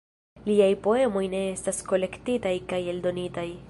Liaj poemoj ne estas kolektitaj kaj eldonitaj.